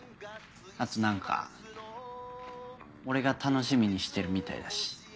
あと何か俺が楽しみにしてるみたいだし。